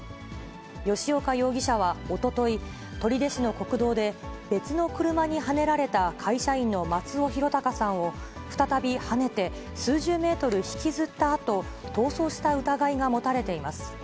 吉岡容疑者はおととい、取手市の国道で、別の車にはねられた会社員の松尾啓生さんを再びはねて、数十メートル引きずったあと、逃走した疑いが持たれています。